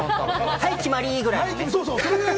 はい、決まり！ぐらい。